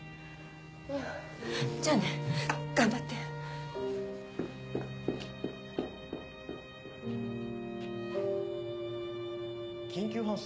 うんじゃあね頑張って緊急搬送？